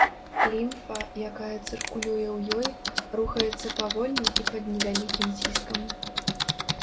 Лімфа, якая цыркулюе ў ёй, рухаецца павольна і пад невялікім ціскам.